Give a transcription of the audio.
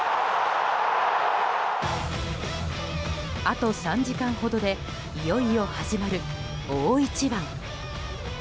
あと３時間ほどでいよいよ始まる大一番。